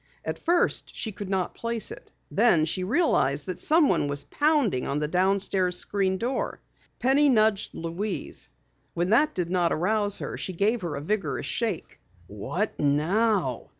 At first she could not place it. Then she realized that someone was pounding on the downstairs screen door. Penny nudged Louise. When that did not arouse her, she gave her a vigorous shake. "What now?"